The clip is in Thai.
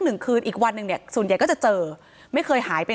หนึ่งคืนอีกวันหนึ่งเนี่ยส่วนใหญ่ก็จะเจอไม่เคยหายไป